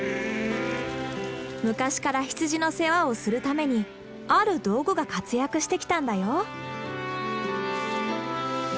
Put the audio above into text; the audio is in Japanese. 昔から羊の世話をするためにある道具が活躍してきたんだよ。